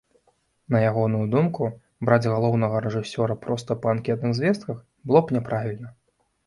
На ягоную думку, браць галоўнага рэжысёра проста па анкетных звестках было б няправільна.